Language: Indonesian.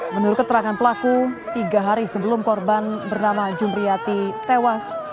menurut keterangan pelaku tiga hari sebelum korban bernama jumriyati tewas